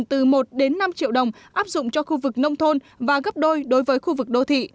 từ một đến năm triệu đồng áp dụng cho khu vực nông thôn và gấp đôi đối với khu vực đô thị